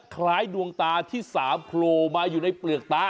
คล้ายดวงตาที่๓โผล่มาอยู่ในเปลือกตา